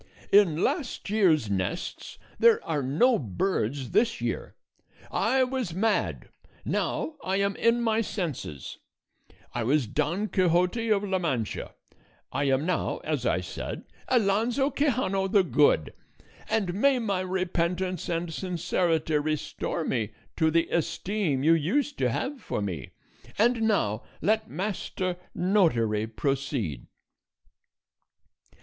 "In last year's nests there are no birds this year. I was mad now I am in my senses; I was Don Quixote of La Mancha I am now, as I said, Alonso Quixano the Good; and may my repentance and sincerity restore me to the esteem you used to have for me; and now let Master Notary proceed.